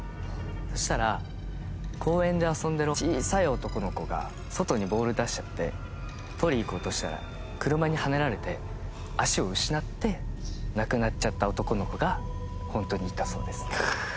そしたら公園で遊んでる小さい男の子が外にボール出しちゃって取りに行こうとしたら車にはねられて足を失って亡くなっちゃった男の子がホントにいたそうです。